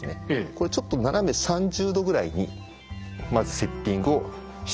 これちょっと斜め３０度ぐらいにまずセッティングをしてください。